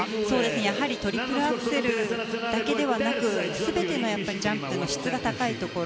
やはりトリプルアクセルだけではなく全てのジャンプの質が高いところ。